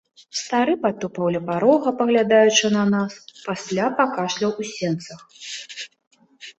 Стары патупаў ля парога, паглядаючы на нас, пасля пакашляў у сенцах.